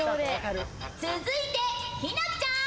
続いてひなきちゃん。